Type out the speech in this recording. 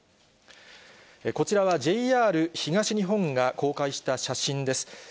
こちらはＪＲ東日本が公開した写真です。